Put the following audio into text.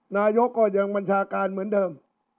นายกก็ยังบัญชาการเหมือนเดิม